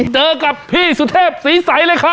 เจอกับพี่สุเทพศรีใสเลยครับ